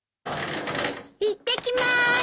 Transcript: いってきまーす！